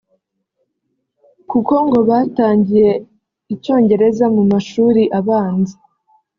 kuko ngo batangiye icyongereza mu mashuri abanza